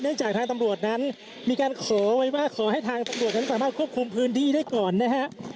จากทางตำรวจนั้นมีการขอไว้ว่าขอให้ทางตำรวจนั้นสามารถควบคุมพื้นที่ได้ก่อนนะฮะ